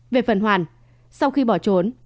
về phần hoàn sau khi bỏ trốn